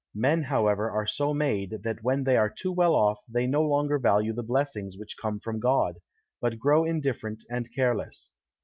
Men however are so made, that when they are too well off they no longer value the blessings which come from God, but grow indifferent and careless.